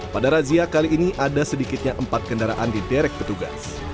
pada razia kali ini ada sedikitnya empat kendaraan di derek petugas